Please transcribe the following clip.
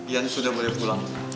ian sudah boleh pulang